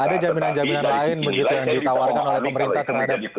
ada jaminan jaminan lain yang ditawarkan oleh pemerintah terhadap kaum buruh